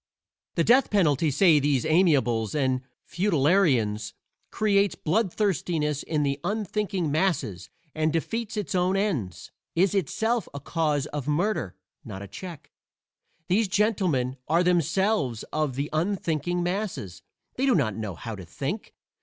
The death penalty, say these amiables and futilitarians, creates blood thirstiness in the unthinking masses and defeats its own ends is itself a cause of murder, not a check. These gentlemen are themselves of "the unthinking masses" they do not know how to think.